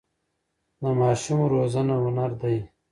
د ماشوم روزنه هنر دی.